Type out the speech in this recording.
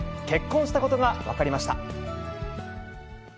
結婚したことが分かりました。